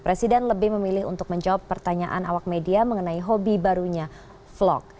presiden lebih memilih untuk menjawab pertanyaan awak media mengenai hobi barunya vlog